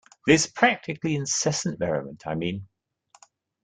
This practically incessant merriment, I mean.